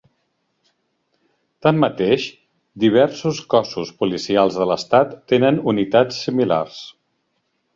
Tanmateix, diversos cossos policials de l'estat tenen unitats similars.